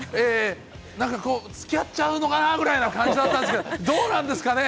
なんかこう、つきあっちゃうのかなぐらいな感じだったんですけど、どうなんですかね？